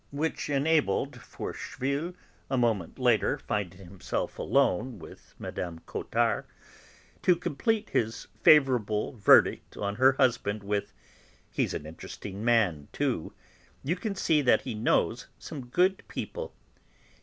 Which enabled Forcheville, a moment later, finding himself alone with Mme. Cottard, to complete his favourable verdict on her husband with: "He's an interesting man, too; you can see that he knows some good people.